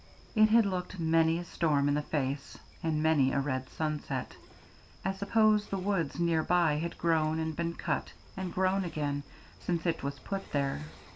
It had looked many a storm in the face, and many a red sunset. I suppose the woods near by had grown and been cut, and grown again, since it was put there.